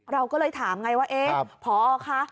เราก็เลยถามไงว่าพอค่ะ